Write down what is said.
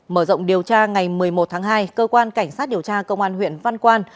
mở rộng điều tra ngày một mươi một tháng hai cơ quan cảnh sát điều tra công an huyện văn quan